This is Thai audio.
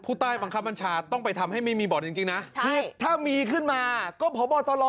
ใต้บังคับบัญชาต้องไปทำให้ไม่มีบ่อนจริงนะถ้ามีขึ้นมาก็พบตร